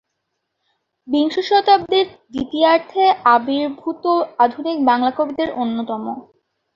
বিংশ শতাব্দীর দ্বিতীয়ার্ধে আবির্ভূত আধুনিক বাংলা কবিদের অন্যতম।